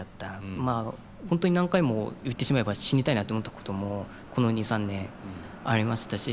本当に何回も言ってしまえば死にたいなって思ったこともこの２３年ありましたし。